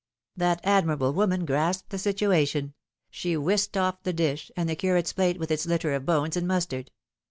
That admirable woman grasped the situation. She whisked off the dish, and the curate's plate with its litter of bones and mustard.